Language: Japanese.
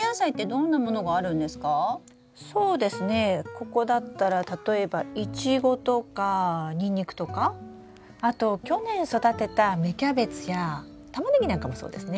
ここだったら例えばイチゴとかニンニクとかあと去年育てた芽キャベツやタマネギなんかもそうですね。